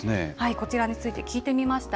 こちらについて聞いてみました。